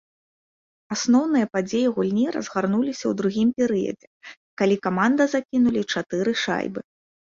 Асноўныя падзеі гульні разгарнуліся ў другім перыядзе, калі каманда закінулі чатыры шайбы.